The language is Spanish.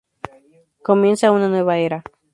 Comienza una nueva era.